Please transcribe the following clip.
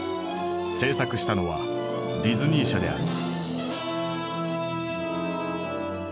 制作したのはディズニー社である。